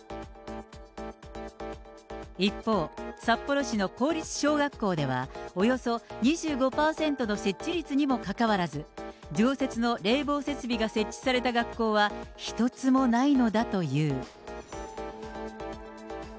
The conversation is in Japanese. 一方、札幌市の公立小学校ではおよそ２５％の設置率にもかかわらず、常設の冷房設備が設置された学校は１つもないのだという。